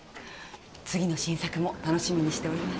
次の新作も楽しみにしております。